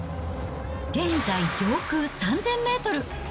現在上空３０００メートル。